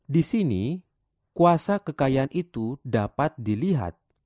di sini kuasa kekayaan itu dapat dilihat